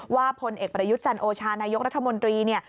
พลเอกประยุทธ์จันโอชานายกรัฐมนตรีเนี่ย